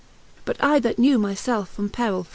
But I, that knew my ielfe from peril!